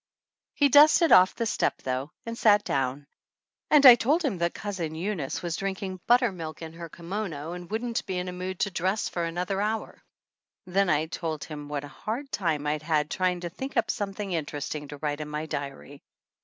He dusted off the step, though, and sat down; and I told him that Cousin Eunice was drinking buttermilk in her kimono and wouldn't be in a mood to dress for another hour. Then I told him what a hard time I'd had trying to think up something interesting to write in my diary.